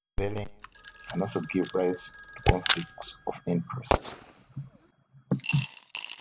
Vereins can also give rise to conflicts of interest.